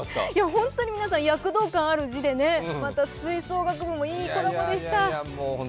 本当に皆さん躍動感ある字でね、また吹奏楽部もいいコラボでした。